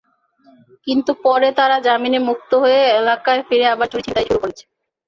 কিন্তু পরে তারা জামিনে মুক্ত হয়ে এলাকায় ফিরে আবার চুরি-ছিনতাই শুরু করছে।